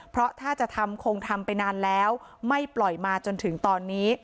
เพราะถ้าจะทำคงทำไปนานแล้วไม่ปล่อยมาจนถึงตอนนี้